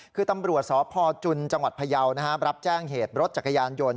คือตำรวจสพจุนจังหวัดพยาวรับแจ้งเหตุรถจักรยานยนต์